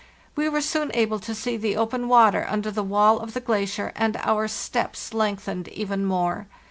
We were soon able to see the open water under the wall of the glacier, and our steps lengthened even more.